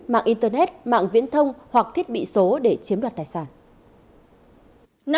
mạng internet mạng viễn thông hoặc thiết bị số để chiếm đoạt tài sản